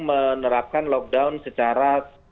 menerapkan lockdown secara